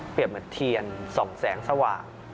เหมือนเทียนส่องแสงสว่าง